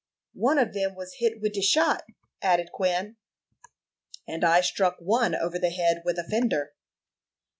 "One of them was hit wid de shot," added Quin. "And I struck one over the head with a fender."